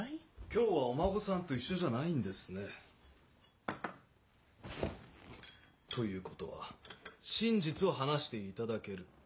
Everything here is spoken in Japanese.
今日はお孫さんと一緒じゃないんですね？ということは真実を話していただける。